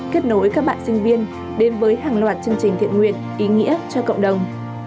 kết nối các bạn sinh viên đến với hàng loạt chương trình thiện nguyện ý nghĩa cho cộng đồng